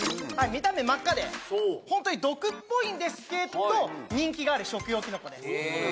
見た目真っ赤で本当に毒っぽいんですけど人気がある食用きのこです